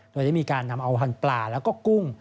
โดยได้มีการนำเอาหันปลาแล้วก็กุ้ง